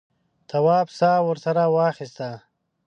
تواب سا ورسره واخیسته.